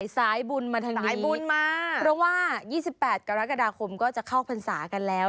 สายบุญมาทางไหนสายบุญมาเพราะว่า๒๘กรกฎาคมก็จะเข้าพรรษากันแล้ว